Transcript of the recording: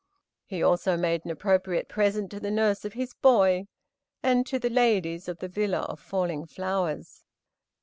He also made an appropriate present to the nurse of his boy, and to the ladies of the "Villa of Falling Flowers."